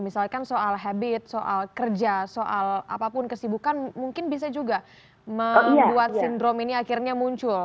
misalkan soal habit soal kerja soal apapun kesibukan mungkin bisa juga membuat sindrom ini akhirnya muncul